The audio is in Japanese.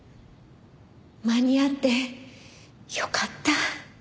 間に合ってよかった。